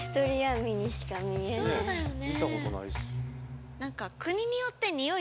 そうだよね。